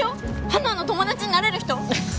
ハナの友達になれる人？